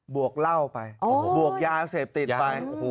วกเหล้าไปบวกยาเสพติดไป